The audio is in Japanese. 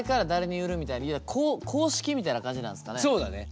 そうだね。